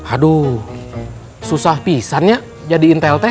aduh susah pisannya jadi intel teh